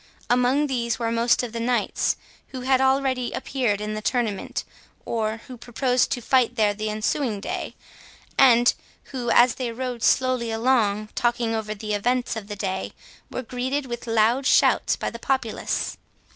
Among these were most of the knights who had already appeared in the tournament, or who proposed to fight there the ensuing day, and who, as they rode slowly along, talking over the events of the day, were greeted with loud shouts by the populace.